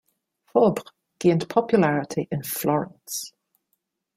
Fabre gained popularity in Florence.